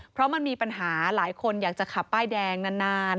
เพราะมันมีปัญหาหลายคนอยากจะขับป้ายแดงนาน